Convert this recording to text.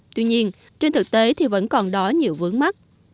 tuy nhiên trên thực tế thì vẫn còn đó nhiều vướng mắt